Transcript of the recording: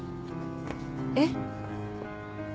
えっ？